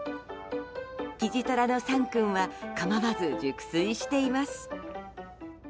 キジトラのサン君は構わず熟睡しています。